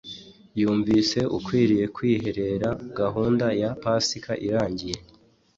Yumvise akwiriye kwiherera. Gahunda ya Pasika irangiye,